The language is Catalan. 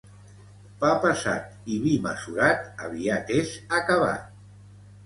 Pa pesat i vi mesurat, aviat és acabat.